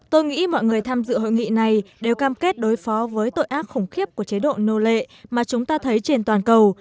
tôi nghĩ mọi người tham dự hội nghị này đều cam kết đối phó với tội ác khủng khiếp của chế độ nô lệ mà chúng ta thấy trên toàn cầu